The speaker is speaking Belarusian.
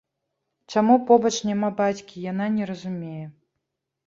Чаму побач няма бацькі, яна не разумее.